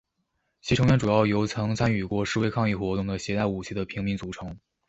其成员主要由曾参与过示威抗议活动的携带武器的平民组成。